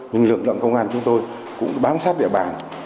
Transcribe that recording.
nhưng lực lượng công an của chúng tôi cũng bán sát địa bàn